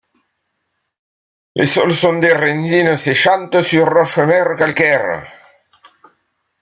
Les sols sont des rendzines séchantes sur roche mère calcaire.